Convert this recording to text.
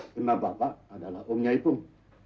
karena bapak adalah umpunya ipung